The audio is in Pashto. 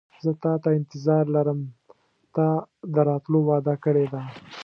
زه تاته انتظار لرم تا د راتلو وعده کړې ده.